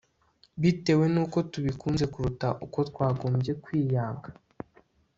bitewe n'uko tubikunze kuruta uko twagombye kwiyanga